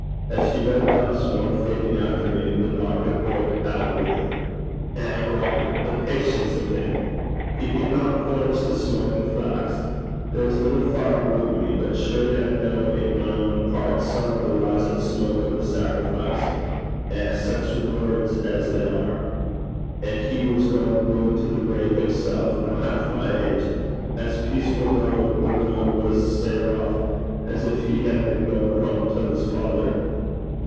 As he read thus, one fading afternoon, the doctor broke out with, 'Eh, Robert, the patience o' him! He didna quench the smokin' flax. There's little fire aboot me, but surely I ken in my ain hert some o' the risin' smoke o' the sacrifice. Eh! sic words as they are! An' he was gaein' doon to the grave himsel', no half my age, as peacefu', though the road was sae rouch, as gin he had been gaein' hame till 's father.'